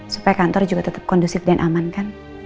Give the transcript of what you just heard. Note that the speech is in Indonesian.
supaya kantor juga tetap kondusif dan aman kan